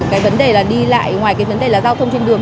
cái vấn đề là đi lại ngoài cái vấn đề là giao thông trên đường